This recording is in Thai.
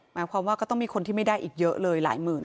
หมายความว่าก็ต้องมีคนที่ไม่ได้อีกเยอะเลยหลายหมื่น